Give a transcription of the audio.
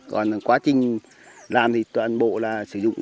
còn quá trình làm thì toàn bộ là sử dụng